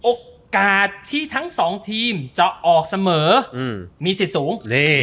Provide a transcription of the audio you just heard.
โอกาสที่ทั้งสองทีมจะออกเสมอมีสิทธิ์สูง